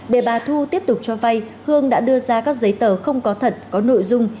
để bà thu tiếp tục cho vay hương đã đưa ra các giấy tờ không có thật có nội dung